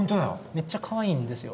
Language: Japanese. めっちゃかわいいんですよ。